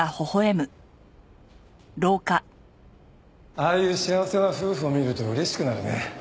ああいう幸せな夫婦を見ると嬉しくなるね。